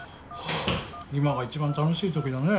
今が一番楽しい時だねえ